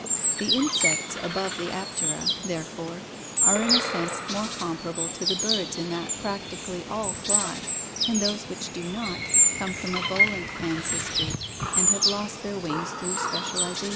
The insects above the Aptera, therefore, are in a sense more comparable to the birds in that practically all fly, and those which do not, come from a volant ancestry and have lost their wings through specialization.